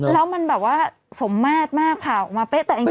แล้วมันแบบว่าสมมาตรมากค่ะถามมาเป๊ะแต่อันที่ยังไง